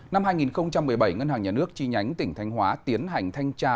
năm hai nghìn một mươi bảy ngân hàng nhà nước chi nhánh tỉnh thanh hóa tiến hành thanh tra